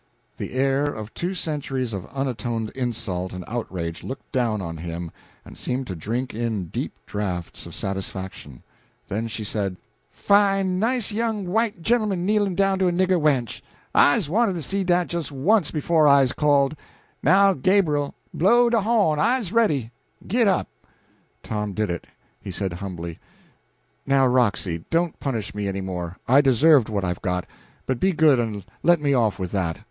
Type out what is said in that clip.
The heir of two centuries of unatoned insult and outrage looked down on him and seemed to drink in deep draughts of satisfaction. Then she said "Fine nice young white gen'l'man kneelin' down to a nigger wench! I's wanted to see dat jes once befo' I's called. Now, Gabr'el, blow de hawn, I's ready ... Git up!" Tom did it. He said, humbly "Now, Roxy, don't punish me any more. I deserved what I've got, but be good and let me off with that.